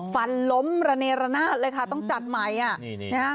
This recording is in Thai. ฟันล้มระเนระนาดเลยค่ะต้องจัดใหม่